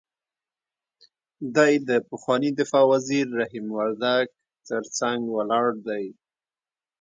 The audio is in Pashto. دی د پخواني دفاع وزیر رحیم وردګ تر څنګ ولاړ دی.